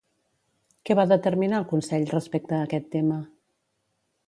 Què va determinar el Consell respecte a aquest tema?